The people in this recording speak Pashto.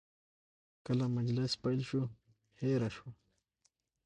کله مجلس پیل شو، هیره شوه.